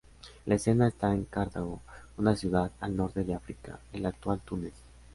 La escena está en Cartago, una ciudad al norte de África, el actual Túnez.